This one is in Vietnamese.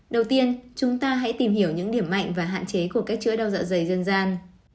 đầu tiên chúng ta hãy tìm hiểu những điểm mạnh và hạn chế của các chuỗi đau dạ dày dân gian